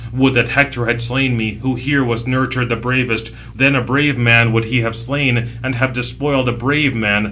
Would that Hector had slain me, who here was nurtured the bravest; then a brave man would he have slain, and have despoiled a brave man.